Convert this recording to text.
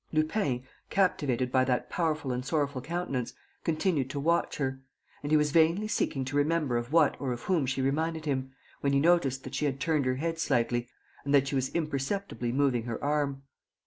Lupin, captivated by that powerful and sorrowful countenance, continued to watch her; and he was vainly seeking to remember of what or of whom she reminded him, when he noticed that she had turned her head slightly and that she was imperceptibly moving her arm.